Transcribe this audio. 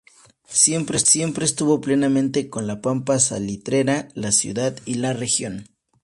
Siempre estuvo plenamente con la pampa salitrera, la ciudad y la región.